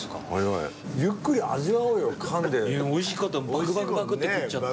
バクバクバクって食っちゃった。